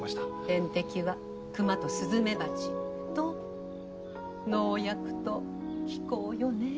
天敵は熊とスズメバチと農薬と気候よね。